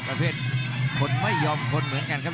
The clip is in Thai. ประเภทคนไม่ยอมคนเหมือนกันครับ